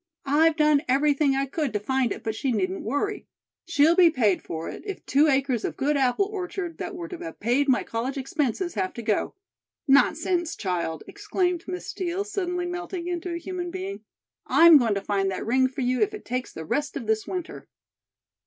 I've done everything I could to find it, but she needn't worry. She'll be paid for it, if two acres of good apple orchard that were to have paid my college expenses have to go." "Nonsense, child!" exclaimed Miss Steel, suddenly melting into a human being. "I'm going to find that ring for you if it takes the rest of this winter."